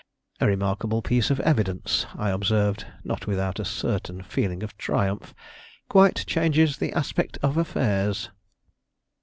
"A remarkable piece of evidence," I observed, not without a certain feeling of triumph; "quite changes the aspect of affairs!"